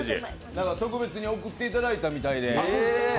特別に送っていただいたみたいで。